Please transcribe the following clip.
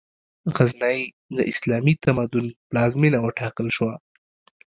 غزنی، د اسلامي تمدن پلازمېنه وټاکل شوه.